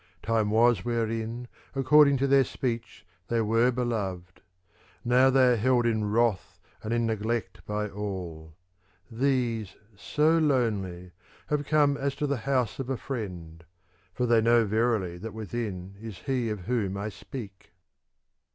Time was wherein, according to their speech, they were be loved : now they are held in wrath and in neglect by all. These, so lonely, have come as to the house of a friend ; for they know verily that within is he of whom I speak.